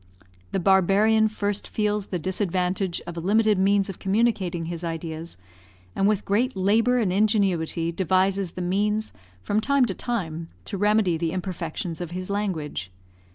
The barbarian first feels the disadvantage of a limited means of communicating his ideas, and with great labour and ingenuity devises the means, from time to time, to remedy the imperfections of his language.